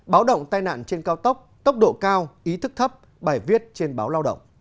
báo động tai nạn trên cao tốc tốc độ cao ý thức thấp bài viết trên báo lao động